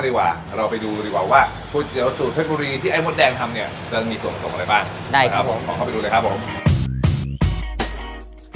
พอเข้าไปดูและครับผม